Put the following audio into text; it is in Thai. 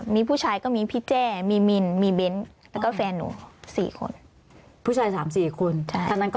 มีผู้ชายก็มีพี่แจ่มีมินมีเบนท์